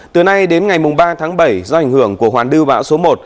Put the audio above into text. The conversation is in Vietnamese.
từ nay đến ngày mùng ba tháng bảy do ảnh hưởng của hoàn đư bão số một